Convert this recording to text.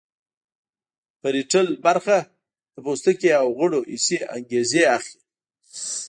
پریټل برخه د پوستکي او غړو حسي انګیزې اخلي